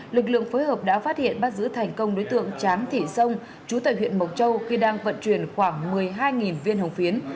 lực lượng phối hợp đã phát hiện bắt giữ thành công đối tượng chán thị sông chú tại huyện mộc châu khi đang vận chuyển khoảng một mươi hai viên hồng phiến